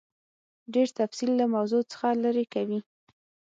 ډېر تفصیل له موضوع څخه لیرې کوي.